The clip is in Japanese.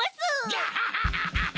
ガハハハハハ！